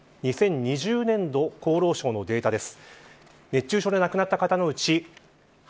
２０２０年度厚労省のデータです。